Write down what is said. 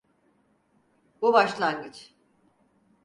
Bu başlangıç.